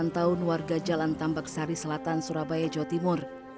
delapan tahun warga jalan tambak sari selatan surabaya jawa timur